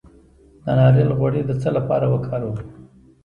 د ناریل غوړي د څه لپاره وکاروم؟